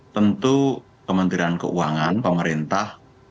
tentu kementerian keuangan pemerintah